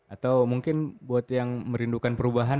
atau mungkin buat yang merindukan perubahan